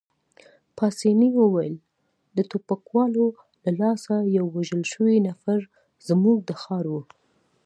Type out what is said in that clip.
پاسیني وویل: د ټوپکوالو له لاسه یو وژل شوی نفر، زموږ د ښار وو.